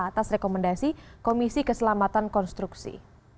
atas rekomendasi komisi keselamatan konstruksi